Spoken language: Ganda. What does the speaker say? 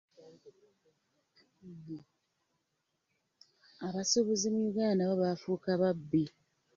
Abasuubuzi mu uganda nabo baafuuka babbi.